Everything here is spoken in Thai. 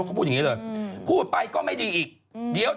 เพราะวันนี้หล่อนแต่งกันได้ยังเป็นสวย